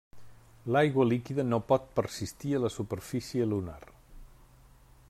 L'aigua líquida no pot persistir a la superfície lunar.